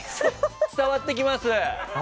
伝わってきます。